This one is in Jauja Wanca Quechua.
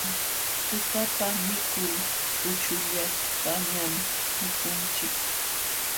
Tutapa mikul puchullatañam mikunchik.